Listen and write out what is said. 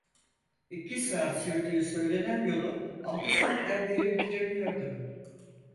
İki saat sürdüğü söylenen yolu, altı saatten beri bitir emiyorduk.